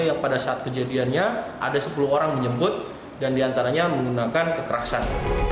yang pada saat kejadiannya ada sepuluh orang menjemput dan diantaranya menggunakan kekerasan